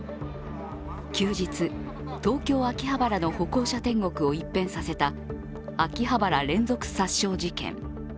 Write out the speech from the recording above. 休日、東京・秋葉原の歩行者天国を一変させた秋葉原連続殺傷事件。